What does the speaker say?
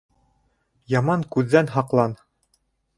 Яман күҙҙән һаҡлан.